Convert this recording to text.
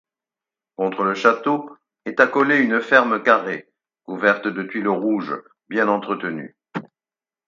Contre le château est accolée une ferme carrée couverte de tuiles rouges, bien entretenue.